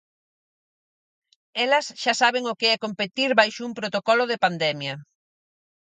Elas xa saben o que é competir baixo un protocolo de pandemia.